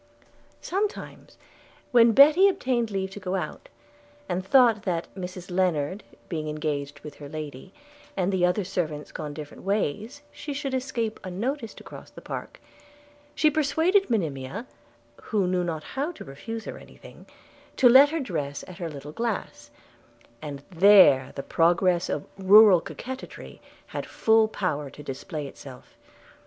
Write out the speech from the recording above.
Sometimes, when Betty obtained leave to go out, and thought that, Mrs Lennard being engaged with her lady, and the other servants gone different ways, she should escape unnoticed across the park, she persuaded Monimia, who knew not how to refuse her any thing, to let her dress at her little glass; and there the progress of rural coquetry had full power to display itself.